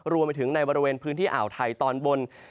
รวมไปถึงในบริเวณพื้นที่อ่าวไทยตอนบน